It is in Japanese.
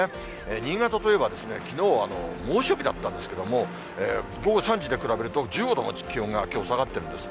新潟といえばきのうは猛暑日だったんですけども、午後３時で比べると、１５度も気温が、きょう下がってるんです。